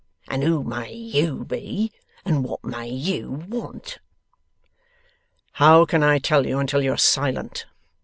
And who may YOU be, and what may YOU want?' 'How can I tell you until you are silent?